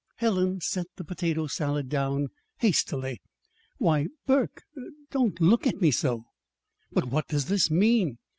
Helen set the potato salad down hastily. "Why, Burke, don't don't look at me so!" "But what does this mean?